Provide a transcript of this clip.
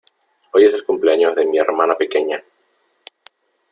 Hoy es el cumpleaños de mi hermana pequeña.